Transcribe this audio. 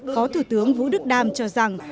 khó thủ tướng vũ đức đam cho rằng